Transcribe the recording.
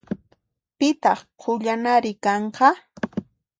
Pitaq qullanari kanqa?